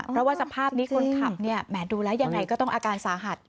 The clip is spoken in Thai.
เพราะว่าสภาพนี้คนขับเนี่ยแหมดูแล้วยังไงก็ต้องอาการสาหัส